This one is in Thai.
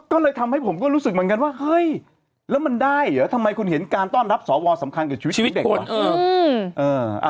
ก็เลยทำให้ผมก็รู้สึกเหมือนกันว่าเฮ้ยแล้วมันได้เหรอทำไมคุณเห็นการต้อนรับสวสำคัญกับชีวิตเด็กคน